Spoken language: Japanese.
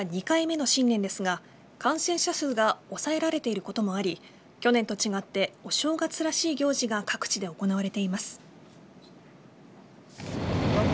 ２回目の新年ですが感染者数が抑えられていることもあり去年と違ってお正月らしい行事が各地で行われています。